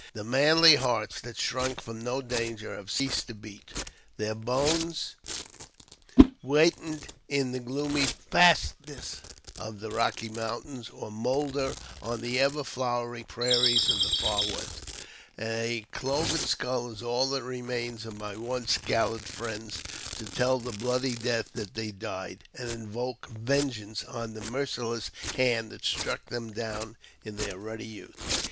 The manly hearts that shrunk from no danger have ceased to beat ; their bones whiten in the gloomy fastnesses of the Rocky Mountains, or moulder on the ever flowering prairies of the Far West. A cloven skull is all that remains of my once gallant friends to tell the bloody death that they died, and invoke vengeance on the merciless hand that struck them down in their ruddy youth.